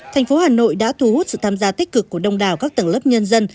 thành phố hà nội đã thu hút sự tham gia tích cực của đông đảo các tầng lớp nhân dân